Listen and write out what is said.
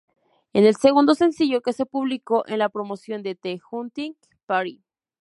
Es el segundo sencillo que se público en la promoción de "The Hunting Party".